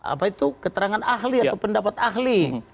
apa itu keterangan ahli atau pendapat ahli